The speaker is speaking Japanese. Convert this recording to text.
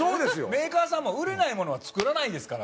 メーカーさんも売れないものは作らないですから。